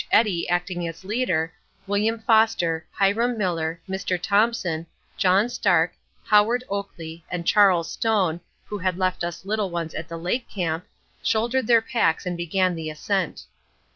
Eddy acting as leader, William Foster, Hiram Miller, Mr. Thompson, John Stark, Howard Oakley, and Charles Stone (who had left us little ones at the lake camp) shouldered their packs and began the ascent.